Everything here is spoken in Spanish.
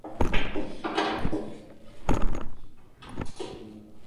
La capital, Viena, constituye un estado que abarca únicamente el municipio.